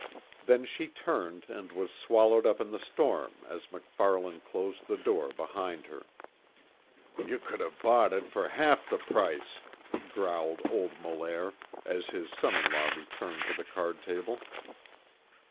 Then she turned and was swallowed up in the storm as MacFarlane closed the door behind her. "Ye could of bought it for half the price!" growled old Molaire, as his son in law returned to the card table.